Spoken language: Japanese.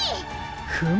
フム！